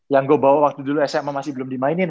yang gue bawa waktu dulu sma masih belum dimainin